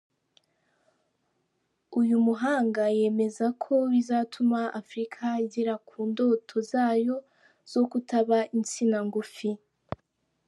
Uyu muhanga yemeza ko bizatuma Afurika igera ku ndoto zayo zo kutaba insina ngufi.